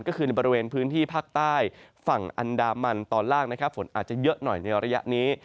ก็คือในบริเวณพื้นที่ภาคใต้ฝั่งอันดามันตอนล่างนะครับฝนอาจจะเยอะหน่อยในระยะนี้